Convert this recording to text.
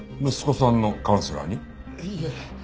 いえ。